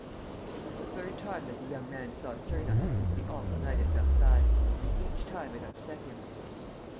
..." It was the third time that the young man saw Sernine since the awful night at Versailles; and each time it upset him.